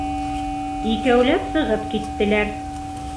Икәүләп сығып киттеләр.